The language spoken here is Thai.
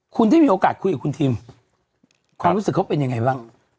คุณได้มีโอกาสคุยกับคุณทิมความรู้สึกเขาเป็นยังไงบ้าง